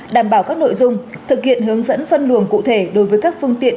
đảm bảo các nội dung thực hiện hướng dẫn phân luồng cụ thể đối với các phương tiện